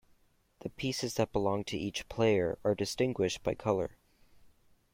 The pieces that belong to each player are distinguished by color.